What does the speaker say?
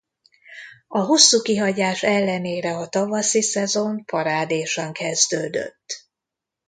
A hosszú kihagyás ellenére a tavaszi szezon parádésan kezdődött.